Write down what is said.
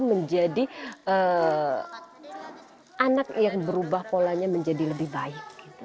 menjadi anak yang berubah polanya menjadi lebih baik